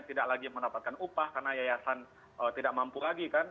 tidak lagi mendapatkan upah karena yayasan tidak mampu lagi kan